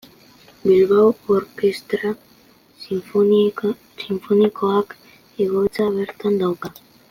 Bilbao Orkestra Sinfonikoak egoitza bertan dauka.